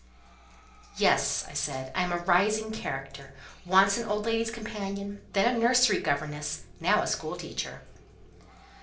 "Yes," I said, "I am a rising character: once an old lady's companion, then a nursery governess, now a school teacher."